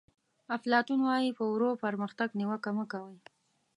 افلاطون وایي په ورو پرمختګ نیوکه مه کوئ.